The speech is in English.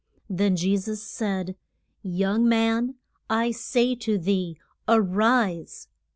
Then Je sus said, Young man, I say to thee a rise.